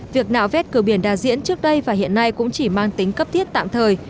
việc nạo vét cửa biển đa diễn trước đây và hiện nay cũng chỉ mang tính cấp thiết tạm thời